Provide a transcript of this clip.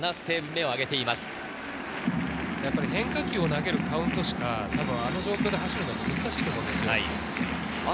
変化球を投げるカウントしかあの状況で走るのは難しいと思うんです。